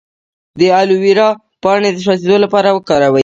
د الوویرا پاڼې د سوځیدو لپاره وکاروئ